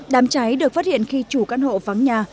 đám cháy được phát hiện khi chủ căn hộ vắng nhà